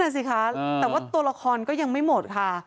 ตัวละครก็ยังไม่หมดค่ะ